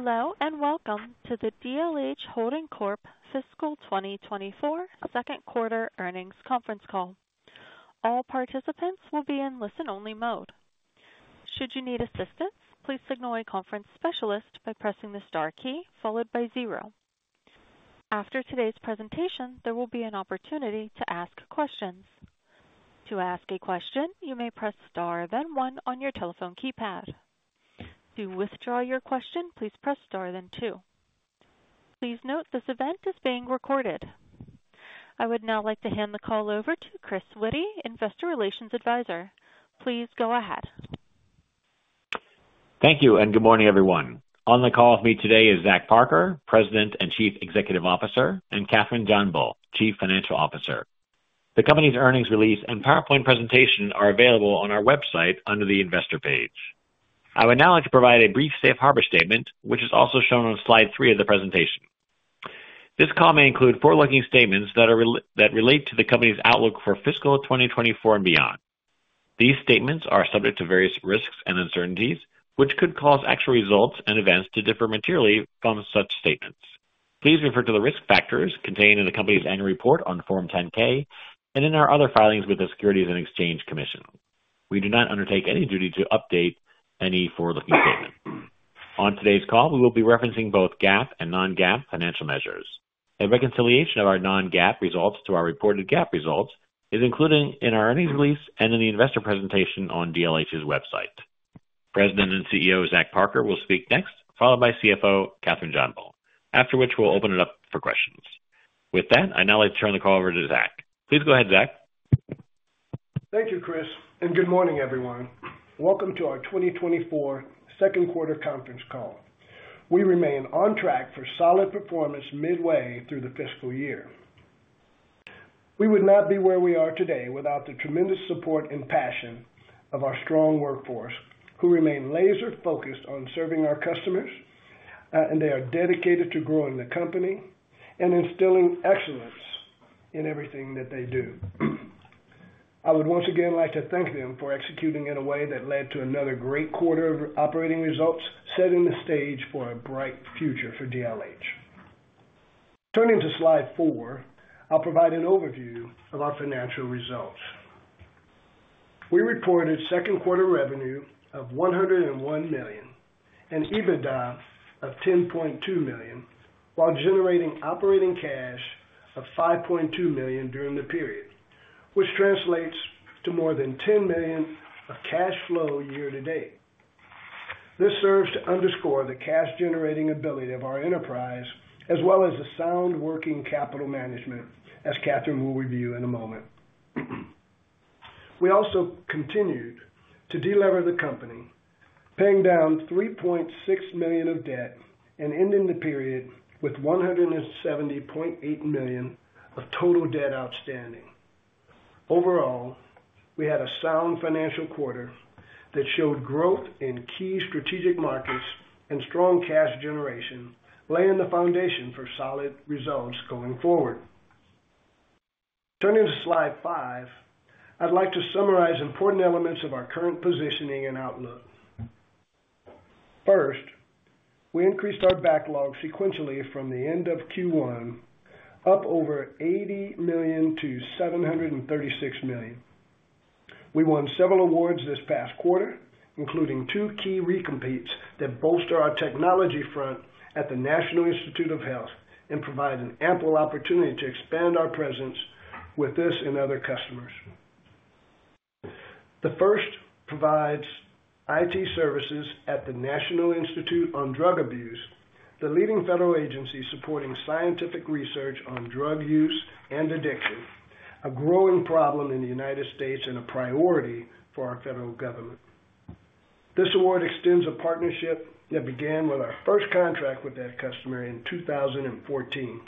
Hello, and welcome to the DLH Holdings Corp. Fiscal 2024 second quarter earnings conference call. All participants will be in listen-only mode. Should you need assistance, please signal a conference specialist by pressing the star key followed by zero. After today's presentation, there will be an opportunity to ask questions. To ask a question, you may press star, then one on your telephone keypad. To withdraw your question, please press star, then two. Please note, this event is being recorded. I would now like to hand the call over to Chris Witty, Investor Relations Advisor. Please go ahead. Thank you, and good morning, everyone. On the call with me today is Zach Parker, President and Chief Executive Officer, and Kathryn JohnBull, Chief Financial Officer. The company's earnings release and PowerPoint presentation are available on our website under the investor page. I would now like to provide a brief safe harbor statement, which is also shown on Slide 3 of the presentation. This call may include forward-looking statements that relate to the company's outlook for fiscal 2024 and beyond. These statements are subject to various risks and uncertainties, which could cause actual results and events to differ materially from such statements. Please refer to the risk factors contained in the company's annual report on Form 10-K and in our other filings with the Securities and Exchange Commission. We do not undertake any duty to update any forward-looking statement. On today's call, we will be referencing both GAAP and non-GAAP financial measures. A reconciliation of our non-GAAP results to our reported GAAP results is included in our earnings release and in the investor presentation on DLH's website. President and CEO, Zach Parker, will speak next, followed by CFO Kathryn JohnBull, after which we'll open it up for questions. With that, I'd now like to turn the call over to Zach. Please go ahead, Zach. Thank you, Chris, and good morning, everyone. Welcome to our 2024 second-quarter conference call. We remain on track for solid performance midway through the fiscal year. We would not be where we are today without the tremendous support and passion of our strong workforce, who remain laser-focused on serving our customers, and they are dedicated to growing the company and instilling excellence in everything that they do. I would once again like to thank them for executing in a way that led to another great quarter of operating results, setting the stage for a bright future for DLH. Turning to Slide 4, I'll provide an overview of our financial results. We reported second-quarter revenue of $101 million and EBITDA of $10.2 million, while generating operating cash of $5.2 million during the period, which translates to more than $10 million of cash flow year to date. This serves to underscore the cash-generating ability of our enterprise, as well as the sound working capital management, as Kathryn will review in a moment. We also continued to delever the company, paying down $3.6 million of debt and ending the period with $170.8 million of total debt outstanding. Overall, we had a sound financial quarter that showed growth in key strategic markets and strong cash generation, laying the foundation for solid results going forward. Turning to Slide 5, I'd like to summarize important elements of our current positioning and outlook. First, we increased our backlog sequentially from the end of Q1, up over $80 million to $736 million. We won several awards this past quarter, including two key recompetes that bolster our technology front at the National Institutes of Health and provide an ample opportunity to expand our presence with this and other customers. The first provides IT services at the National Institute on Drug Abuse, the leading federal agency supporting scientific research on drug use and addiction, a growing problem in the United States and a priority for our federal government. This award extends a partnership that began with our first contract with that customer in 2014.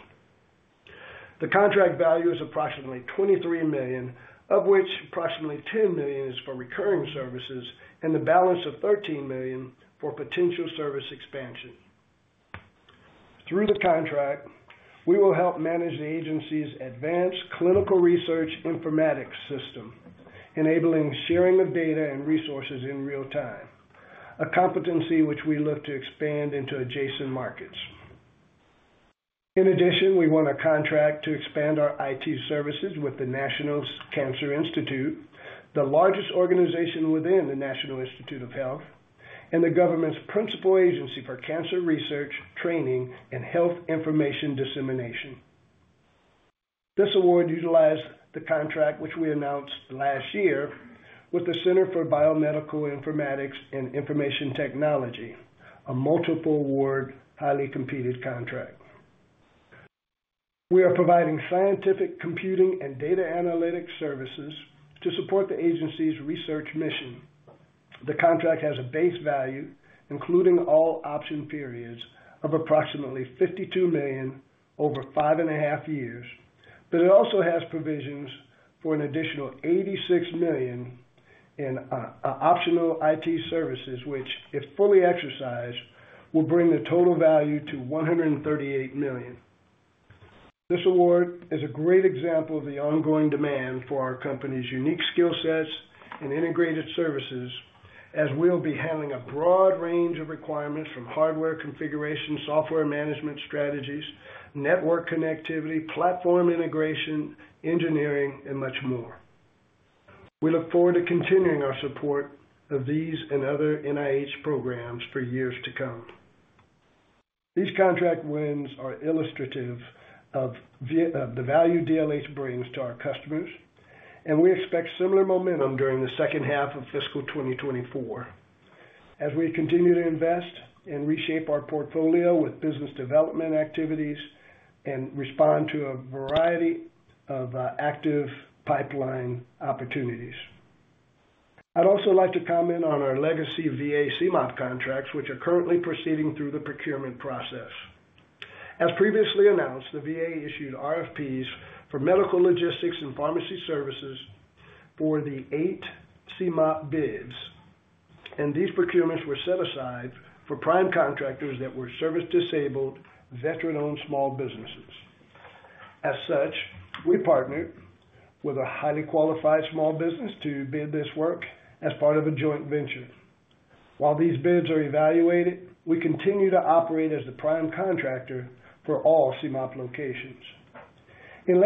The contract value is approximately $23 million, of which approximately $10 million is for recurring services and the balance of $13 million for potential service expansion. Through the contract, we will help manage the agency's Advanced Clinical Research Informatics System, enabling sharing of data and resources in real time, a competency which we look to expand into adjacent markets. In addition, we won a contract to expand our IT services with the National Cancer Institute, the largest organization within the National Institutes of Health and the government's principal agency for cancer research, training, and health information dissemination. This award utilized the contract, which we announced last year with the Center for Biomedical Informatics and Information Technology, a multiple-award, highly competed contract. We are providing scientific computing and data analytics services to support the agency's research mission. The contract has a base value, including all option periods, of approximately $52 million over 5.5 years, but it also has provisions for an additional $86 million in optional IT services, which, if fully exercised, will bring the total value to $138 million. This award is a great example of the ongoing demand for our company's unique skill sets and integrated services, as we'll be handling a broad range of requirements from hardware configuration, software management strategies, network connectivity, platform integration, engineering, and much more. We look forward to continuing our support of these and other NIH programs for years to come. These contract wins are illustrative of the value DLH brings to our customers, and we expect similar momentum during the second half of fiscal 2024 as we continue to invest and reshape our portfolio with business development activities and respond to a variety of active pipeline opportunities. I'd also like to comment on our legacy VA CMOP contracts, which are currently proceeding through the procurement process. As previously announced, the VA issued RFPs for medical, logistics, and pharmacy services for the eight CMOP bids, and these procurements were set aside for prime contractors that were service-disabled veteran-owned small businesses. As such, we partnered with a highly qualified small business to bid this work as part of a joint venture. While these bids are evaluated, we continue to operate as the prime contractor for all CMOP locations. In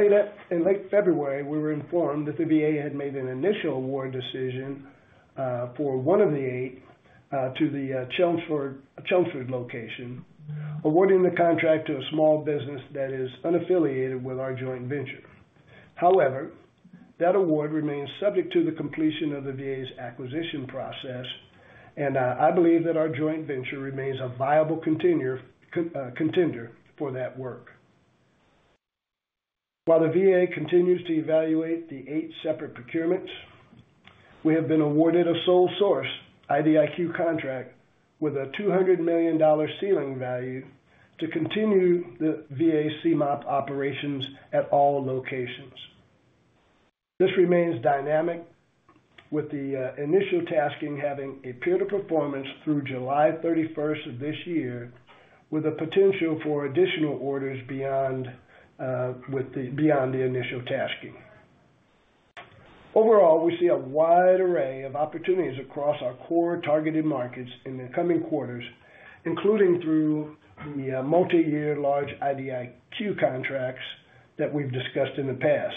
late February, we were informed that the VA had made an initial award decision for one of the eight to the Chelmsford location, awarding the contract to a small business that is unaffiliated with our joint venture. However, that award remains subject to the completion of the VA's acquisition process, and I believe that our joint venture remains a viable contender for that work. While the VA continues to evaluate the eight separate procurements, we have been awarded a sole source IDIQ contract with a $200 million ceiling value to continue the VA CMOP operations at all locations. This remains dynamic, with the initial tasking having a period of performance through July 31st of this year, with the potential for additional orders beyond the initial tasking. Overall, we see a wide array of opportunities across our core targeted markets in the coming quarters, including through the multi-year large IDIQ contracts that we've discussed in the past.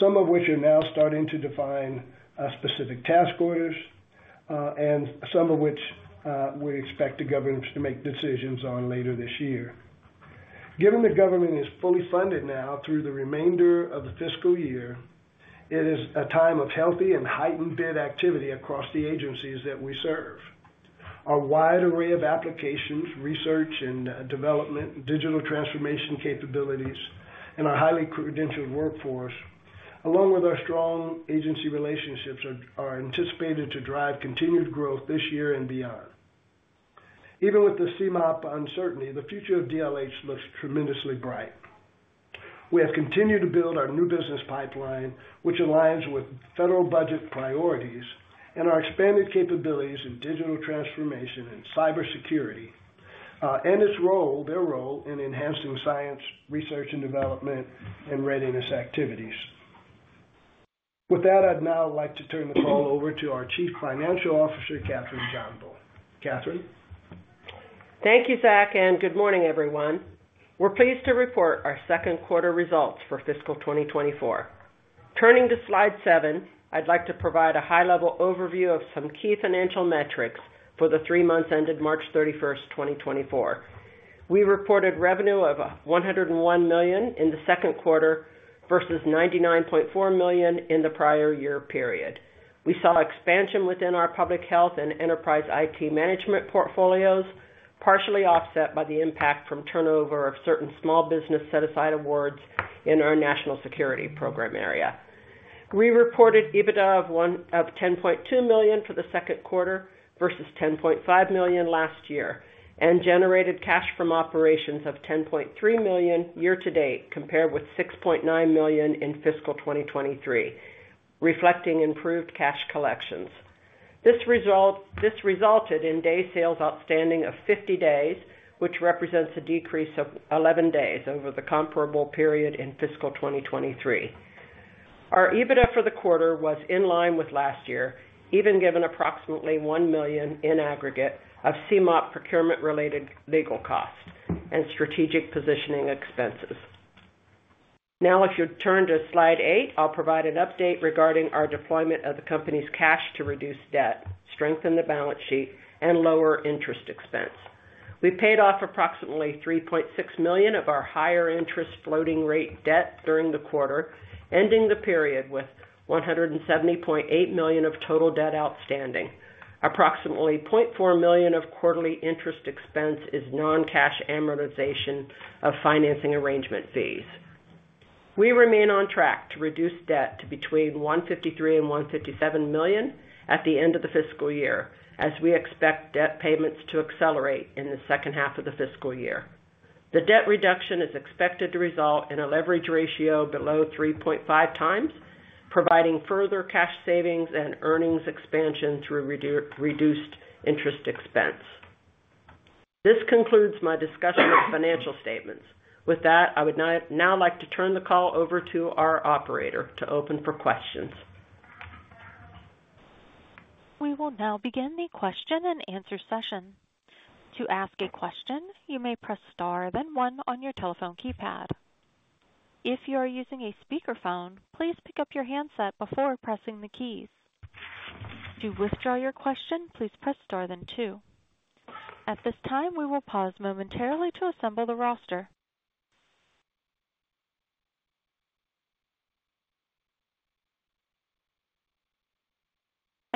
Some of which are now starting to define specific task orders, and some of which we expect the government to make decisions on later this year. Given the government is fully funded now through the remainder of the fiscal year, it is a time of healthy and heightened bid activity across the agencies that we serve. Our wide array of applications, research and development, digital transformation capabilities, and our highly credentialed workforce, along with our strong agency relationships, are, are anticipated to drive continued growth this year and beyond. Even with the CMOP uncertainty, the future of DLH looks tremendously bright. We have continued to build our new business pipeline, which aligns with federal budget priorities and our expanded capabilities in digital transformation and cybersecurity, and its role, their role in enhancing science, research and development, and readiness activities. With that, I'd now like to turn the call over to our Chief Financial Officer, Kathryn JohnBull. Kathryn? Thank you, Zach, and good morning, everyone. We're pleased to report our second quarter results for fiscal 2024. Turning to Slide 7, I'd like to provide a high-level overview of some key financial metrics for the three months ended March 31st, 2024. We reported revenue of $101 million in the second quarter versus $99.4 million in the prior year period. We saw expansion within our public health and enterprise IT management portfolios, partially offset by the impact from turnover of certain small business set-aside awards in our national security program area. We reported EBITDA of $10.2 million for the second quarter versus $10.5 million last year, and generated cash from operations of $10.3 million year to date, compared with $6.9 million in fiscal 2023, reflecting improved cash collections. This resulted in days sales outstanding of 50 days, which represents a decrease of 11 days over the comparable period in fiscal 2023. Our EBITDA for the quarter was in line with last year, even given approximately $1 million in aggregate of CMOP procurement-related legal costs and strategic positioning expenses. Now, if you'd turn to Slide 8, I'll provide an update regarding our deployment of the company's cash to reduce debt, strengthen the balance sheet, and lower interest expense. We paid off approximately $3.6 million of our higher interest floating rate debt during the quarter, ending the period with $170.8 million of total debt outstanding. Approximately $0.4 million of quarterly interest expense is non-cash amortization of financing arrangement fees. We remain on track to reduce debt to between $153 million and $157 million at the end of the fiscal year, as we expect debt payments to accelerate in the second half of the fiscal year. The debt reduction is expected to result in a leverage ratio below 3.5 times, providing further cash savings and earnings expansion through reduced interest expense. This concludes my discussion of financial statements. With that, I would now like to turn the call over to our operator to open for questions. We will now begin the question and answer session. To ask a question, you may press star, then one on your telephone keypad. If you are using a speakerphone, please pick up your handset before pressing the keys. To withdraw your question, please press Star then two. At this time, we will pause momentarily to assemble the roster.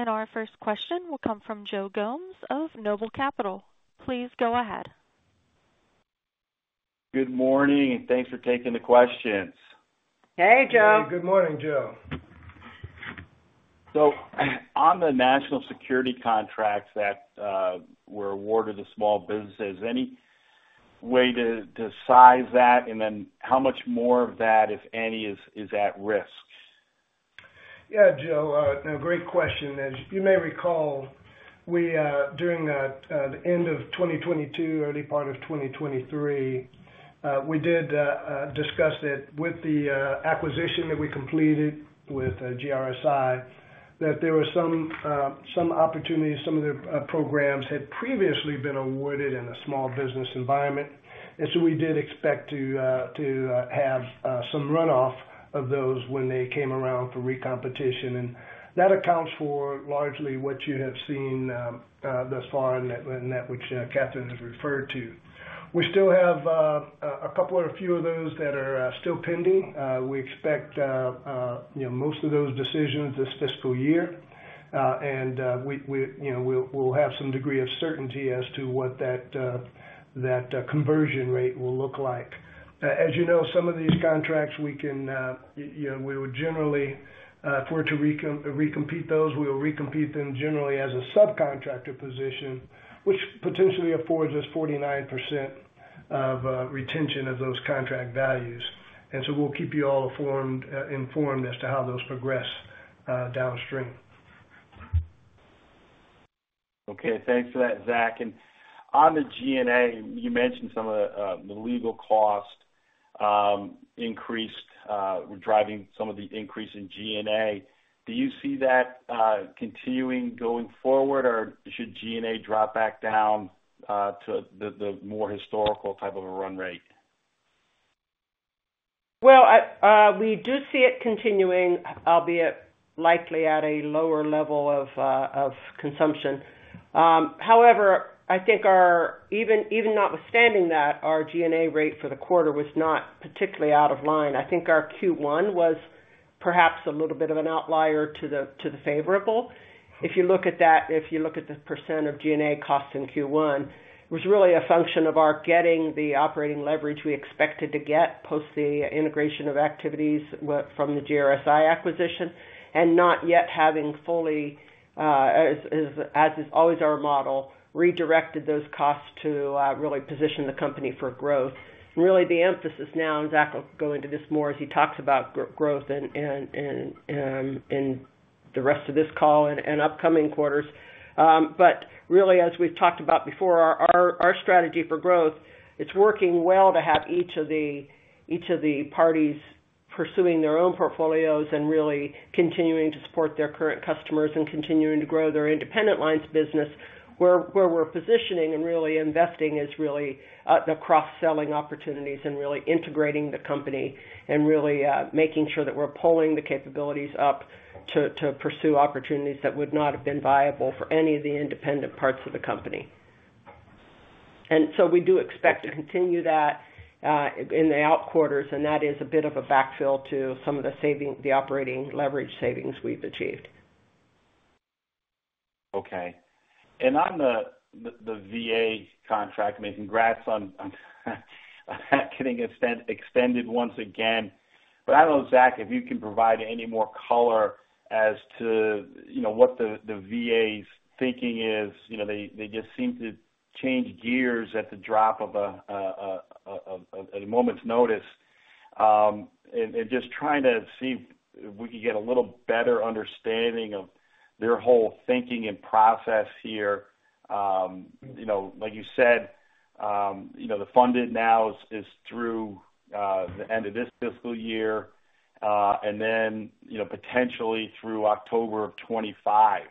Our first question will come from Joe Gomes of Noble Capital. Please go ahead. Good morning, and thanks for taking the questions. Hey, Joe. Good morning, Joe. On the national security contracts that were awarded to small businesses, any way to size that? And then how much more of that, if any, is at risk? Yeah, Joe, great question. As you may recall, we during the end of 2022, early part of 2023, we did discuss it with the acquisition that we completed with GRSi, that there were some opportunities. Some of the programs had previously been awarded in a small business environment, and so we did expect to have some runoff of those when they came around for recompetition, and that accounts for largely what you have seen, thus far, and that which Kathryn has referred to. We still have a couple or a few of those that are still pending. We expect, you know, most of those decisions this fiscal year, and, we, you know, we'll have some degree of certainty as to what that conversion rate will look like. As you know, some of these contracts, you know, we would generally, if we're to recompete those, we'll recompete them generally as a subcontractor position, which potentially affords us 49% of retention of those contract values. And so we'll keep you all informed as to how those progress downstream. Okay, thanks for that, Zach. And on the G&A, you mentioned some of the legal costs increased were driving some of the increase in G&A. Do you see that continuing going forward, or should G&A drop back down to the more historical type of a run rate? Well, I, we do see it continuing, albeit likely at a lower level of, of consumption. However, I think our—even, even notwithstanding that, our G&A rate for the quarter was not particularly out of line. I think our Q1 was perhaps a little bit of an outlier to the, to the favorable. If you look at that, if you look at the percent of G&A costs in Q1, it was really a function of our getting the operating leverage we expected to get post the integration of activities with, from the GRSi acquisition, and not yet having fully, as, as, as is always our model, redirected those costs to, really position the company for growth. Really, the emphasis now, and Zach will go into this more as he talks about growth and in the rest of this call and upcoming quarters. But really, as we've talked about before, our strategy for growth, it's working well to have each of the parties pursuing their own portfolios and really continuing to support their current customers and continuing to grow their independent lines business. Where we're positioning and really investing is really the cross-selling opportunities and really integrating the company and really making sure that we're pulling the capabilities up to pursue opportunities that would not have been viable for any of the independent parts of the company. And so we do expect to continue that in the outer quarters, and that is a bit of a backfill to some of the savings, the operating leverage savings we've achieved. Okay. And on the VA contract, and congrats on getting extended once again. But I don't know, Zach, if you can provide any more color as to, you know, what the VA's thinking is. You know, they just seem to change gears at the drop of a moment's notice. And just trying to see if we could get a little better understanding of their whole thinking and process here. You know, like you said, you know, the funding now is through the end of this fiscal year, and then, you know, potentially through October of 2025.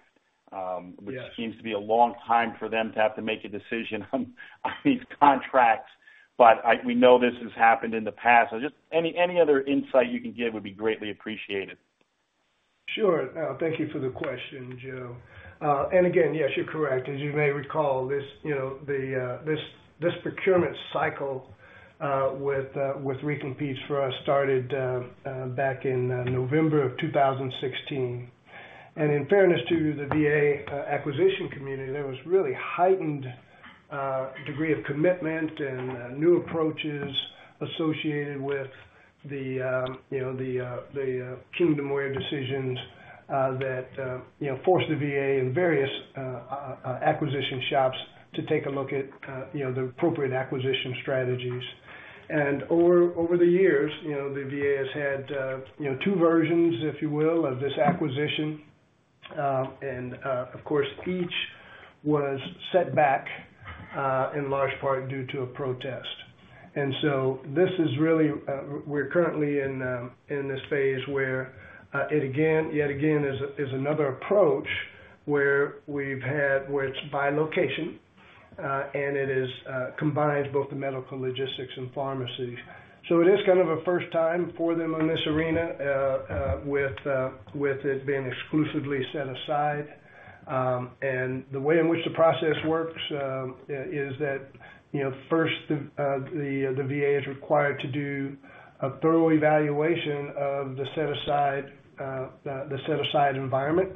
which seems to be a long time for them to have to make a decision on these contracts, but we know this has happened in the past. So just any other insight you can give would be greatly appreciated. Sure. Thank you for the question, Joe. And again, yes, you're correct. As you may recall, this, you know, the procurement cycle with recompetes for us started back in November of 2016. And in fairness to the VA acquisition community, there was really heightened degree of commitment and new approaches associated with the, you know, the Kingdomware decisions that you know forced the VA and various acquisition shops to take a look at, you know, the appropriate acquisition strategies. And over the years, you know, the VA has had, you know, two versions, if you will, of this acquisition. And of course, each was set back in large part due to a protest. This is really. We're currently in this phase where it again—yet again is another approach where it's by location, and it combines both the medical logistics and pharmacies. So it is kind of a first time for them in this arena, with it being exclusively set aside. And the way in which the process works is that, you know, first, the VA is required to do a thorough evaluation of the set-aside, the set-aside environment,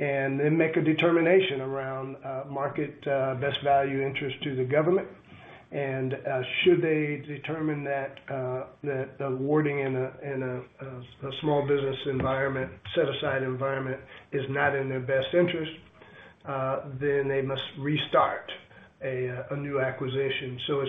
and then make a determination around market best value interest to the government. Should they determine that awarding in a small business environment, set-aside environment is not in their best interest, then they must restart a new acquisition. So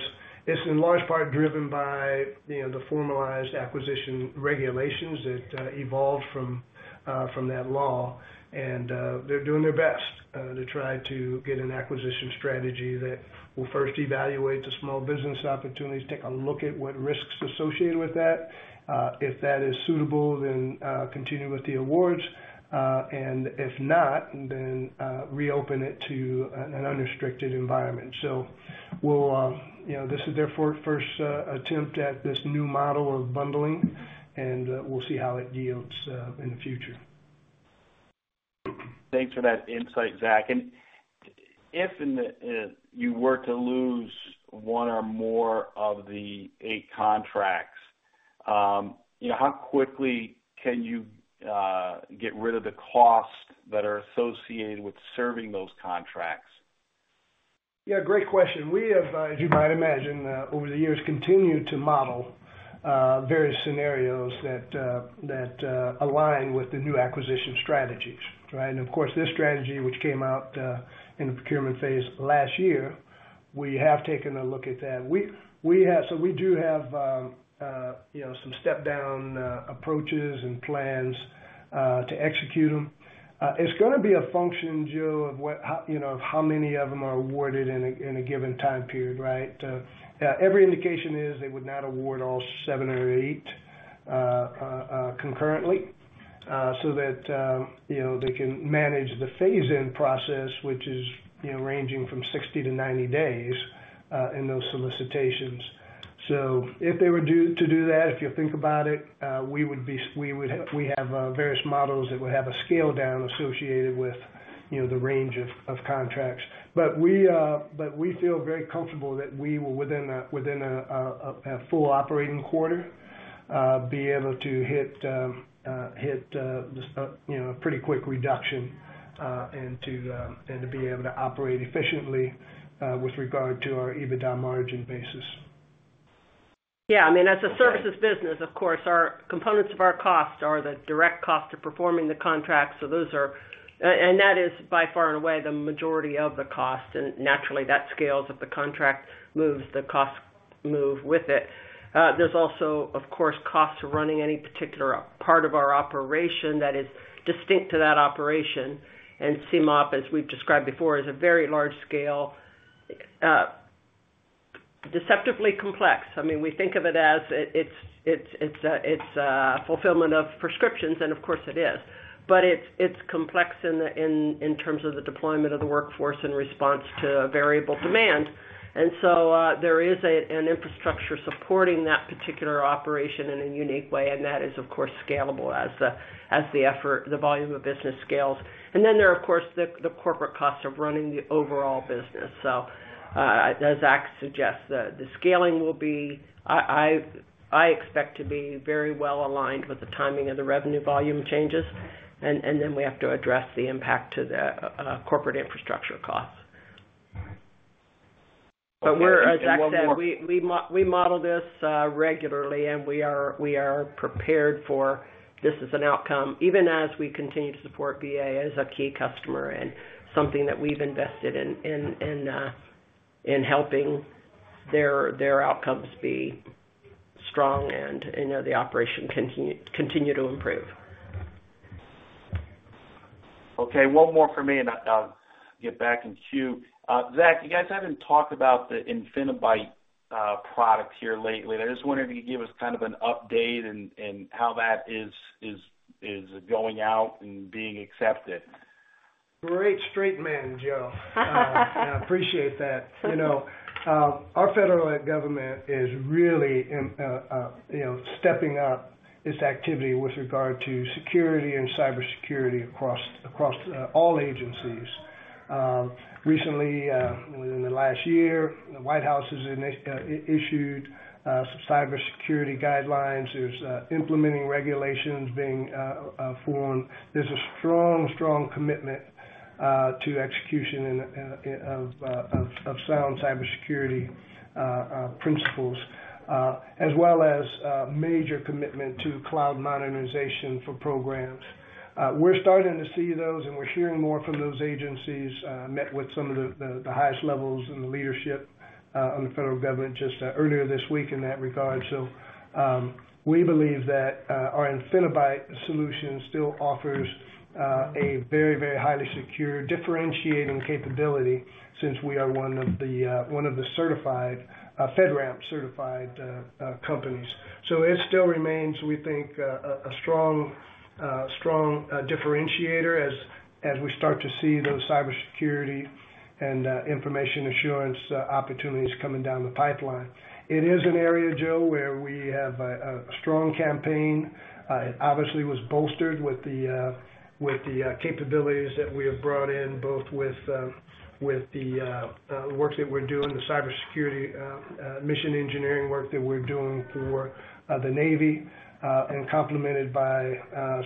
it's in large part driven by, you know, the formalized acquisition regulations that evolved from that law. They're doing their best to try to get an acquisition strategy that will first evaluate the small business opportunities, take a look at what risks associated with that. If that is suitable, then continue with the awards, and if not, then reopen it to an unrestricted environment. So we'll, you know, this is their first attempt at this new model of bundling, and we'll see how it yields in the future. Thanks for that insight, Zach. And if you were to lose one or more of the eight contracts, you know, how quickly can you get rid of the costs that are associated with serving those contracts? Yeah, great question. We have, as you might imagine, over the years, continued to model various scenarios that align with the new acquisition strategies, right? And of course, this strategy, which came out in the procurement phase last year, we have taken a look at that. So we do have, you know, some step-down approaches and plans to execute them. It's gonna be a function, Joe, of what, how, you know, of how many of them are awarded in a given time period, right? Every indication is they would not award all 7 or 8 concurrently, so that, you know, they can manage the phase-in process, which is, you know, ranging from 60-90 days in those solicitations. So if they were to do that, if you think about it, we would be, we would have, we have various models that would have a scale down associated with, you know, the range of contracts. But we feel very comfortable that we will, within a full operating quarter, be able to hit, you know, a pretty quick reduction, and to be able to operate efficiently, with regard to our EBITDA margin basis. Yeah, I mean, as a services business, of course, our components of our costs are the direct cost of performing the contract. So those are... and that is by far and away, the majority of the cost, and naturally, that scales. If the contract moves, the costs move with it. There's also, of course, costs of running any particular part of our operation that is distinct to that operation. And CMOP, as we've described before, is a very large scale deceptively complex. I mean, we think of it as it's a fulfillment of prescriptions, and of course it is. But it's complex in terms of the deployment of the workforce in response to variable demand. And so, there is an infrastructure supporting that particular operation in a unique way, and that is, of course, scalable as the effort, the volume of business scales. And then there are, of course, the corporate costs of running the overall business. So, as Zach suggests, the scaling will be... I expect to be very well aligned with the timing of the revenue volume changes, and then we have to address the impact to the corporate infrastructure costs. And one more- But we're, as Zach said, we model this regularly, and we are prepared for this as an outcome, even as we continue to support VA as a key customer and something that we've invested in helping their outcomes be strong and, you know, the operation continue to improve. Okay, one more for me, and I'll get back in queue. Zach, you guys haven't talked about the Infinibyte product here lately. I just wondered if you could give us kind of an update and how that is going out and being accepted. Great straight man, Joe. I appreciate that. You know, our federal government is really stepping up its activity with regard to security and cybersecurity across all agencies. Recently, within the last year, the White House has issued some cybersecurity guidelines. There's implementing regulations being formed. There's a strong, strong commitment to execution and of sound cybersecurity principles, as well as major commitment to cloud modernization for programs. We're starting to see those, and we're hearing more from those agencies, met with some of the highest levels in the leadership on the federal government just earlier this week in that regard. So, we believe that our Infinibyte solution still offers a very, very highly secure, differentiating capability since we are one of the certified FedRAMP certified companies. So it still remains, we think, a strong differentiator as we start to see those cybersecurity and information assurance opportunities coming down the pipeline. It is an area, Joe, where we have a strong campaign. It obviously was bolstered with the capabilities that we have brought in, both with the work that we're doing, the cybersecurity mission engineering work that we're doing for the Navy, and complemented by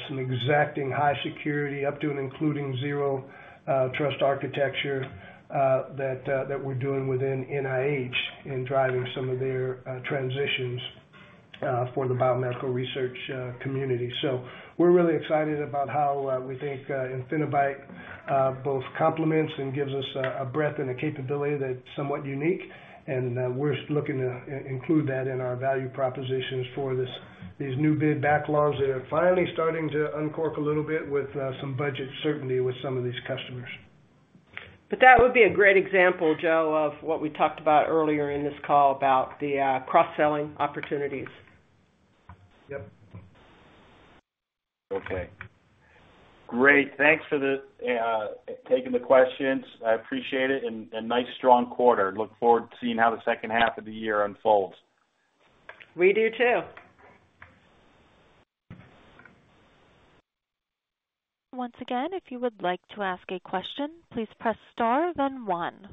some exacting high security, up to and including Zero Trust Architecture that we're doing within NIH in driving some of their transitions for the biomedical research community. So we're really excited about how we think Infinibyte both complements and gives us a breadth and a capability that's somewhat unique, and we're looking to include that in our value propositions for these new bid backlogs that are finally starting to uncork a little bit with some budget certainty with some of these customers. But that would be a great example, Joe, of what we talked about earlier in this call about the cross-selling opportunities. Yep. Okay. Great. Thanks for the, taking the questions. I appreciate it, and nice, strong quarter. Look forward to seeing how the second half of the year unfolds. We do, too. Once again, if you would like to ask a question, please press star, then one.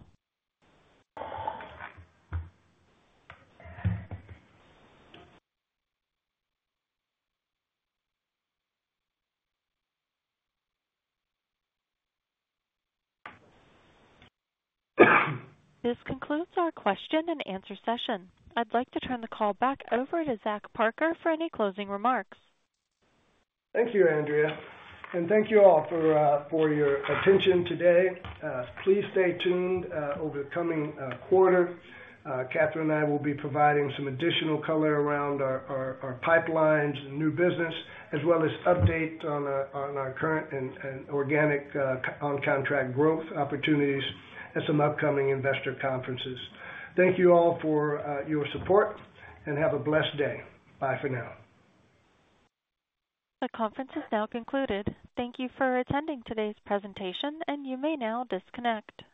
This concludes our question and answer session. I'd like to turn the call back over to Zach Parker for any closing remarks. Thank you, Andrea, and thank you all for your attention today. Please stay tuned over the coming quarter. Kathryn and I will be providing some additional color around our pipelines and new business, as well as update on our current and organic on-contract growth opportunities at some upcoming investor conferences. Thank you all for your support, and have a blessed day. Bye for now. The conference is now concluded. Thank you for attending today's presentation, and you may now disconnect.